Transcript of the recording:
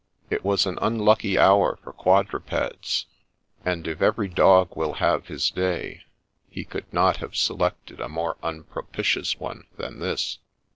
— It was an unlucky hour for quadrupeds ; and if ' every dog will have his day,' he could not have selected a more unpropitious one than this.